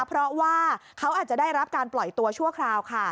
เพราะว่าเขาอาจจะได้รับการปล่อยตัวชั่วคราวค่ะ